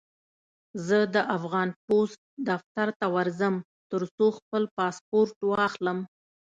زه د افغان پوسټ دفتر ته ورځم، ترڅو خپل پاسپورټ واخلم.